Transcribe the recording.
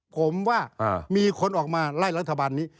ผมว่ามีคนออกมาไล่รัฐบาลนี้